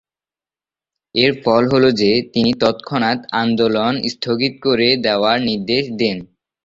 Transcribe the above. এর ফল হলো যে, তিনি তৎক্ষণাৎ আন্দোলন স্থগতি করে দেওয়ার নির্দেশ দেন।